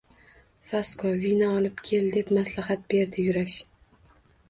Vasko, vino olib kel, – deb maslahat berdi Yurash.